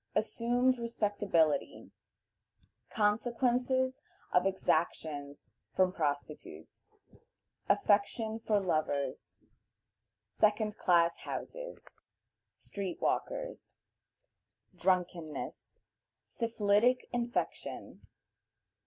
Assumed Respectability. Consequences of Exactions from Prostitutes. Affection for Lovers. Second Class Houses. Street walkers. Drunkenness. Syphilitic Infection.